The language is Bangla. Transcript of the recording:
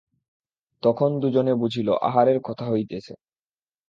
তখন দুজনে বুঝিল, আহারের কথা হইতেছে।